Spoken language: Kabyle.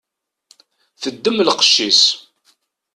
Teddem lqec-is.